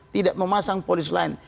tidak memasang polis lain